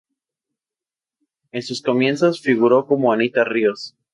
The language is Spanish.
En sus comienzos figuró como Anita Ríos.